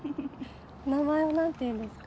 名前は何ていうんですか？